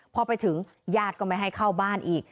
พอไปถึงญาติก็ไม่ให้เข้าบ้านอีก